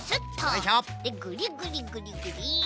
ぐりぐりぐりぐり。